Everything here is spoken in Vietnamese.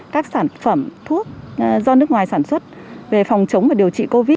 các sản phẩm thuốc do nước ngoài sản xuất về phòng chống và điều trị covid một mươi chín